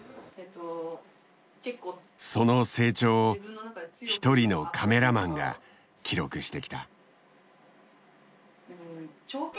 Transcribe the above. その成長を一人のカメラマンが記録してきた。